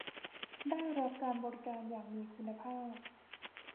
ได้รับการบริการอย่างมีคุณภาพ